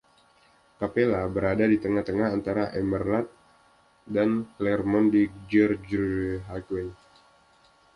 Capella berada di tengah-tengah antara Emerald dan Clermont di Gregory Highway.